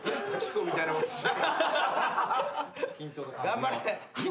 頑張れ。